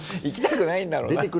行きたくないんだろうな。